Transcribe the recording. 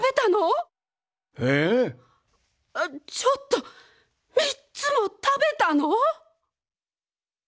ちょっと３つも食べたの！？